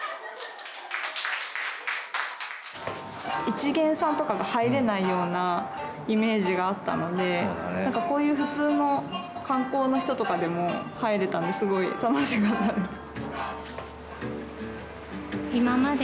一見さんとかが入れないようなイメージがあったのでなんかこういう普通の観光の人とかでも入れたんですごい楽しかったです。